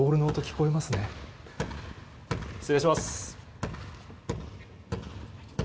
失礼します！